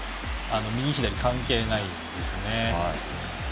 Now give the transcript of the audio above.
右左関係ないですね。